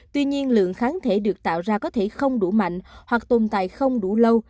tuy nhiên lượng kháng thể được tạo ra có thể không đủ mạnh hoặc tồn tại không đủ lâu